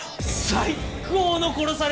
最高の殺され方！